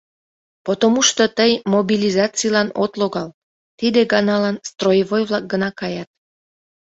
«Потомушто тый мобилизацийлан от логал, тиде ганалан строевой-влак гына каят.